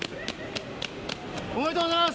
おめでとうございます。